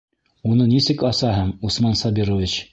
Уны нисек асаһың, Усман Сабирович?!